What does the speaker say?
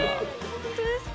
本当ですか？